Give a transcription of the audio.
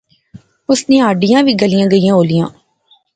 اس نیاں ہڈیاں وی گلی گئیاں ہولیاں